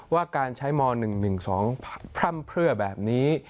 ว่าการใช้ม๑๑๒พร่ำเพื่อแบบนี้